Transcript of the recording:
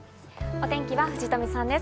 お天気は藤富さんです。